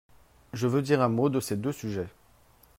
Je veux dire un mot de ces deux sujets.